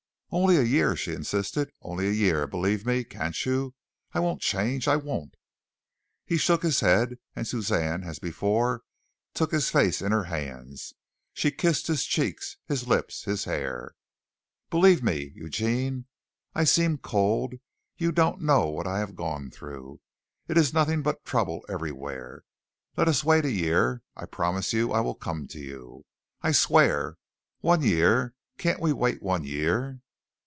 "Only a year," she insisted. "Only a year, believe me, can't you? I won't change, I won't!" He shook his head, and Suzanne as before took his face in her hands. She kissed his cheeks, his lips, his hair. "Believe me, Eugene. I seem cold. You don't know what I have gone through. It is nothing but trouble everywhere. Let us wait a year. I promise you I will come to you. I swear. One year. Can't we wait one year?"